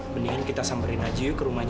mendingan kita samperin aja yuk ke rumahnya